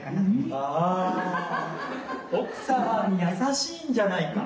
あ奥様に優しいんじゃないか。